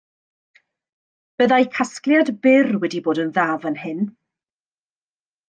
Byddai casgliad byr wedi bod yn dda fan hyn